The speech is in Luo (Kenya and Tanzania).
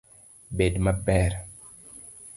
Bed maber.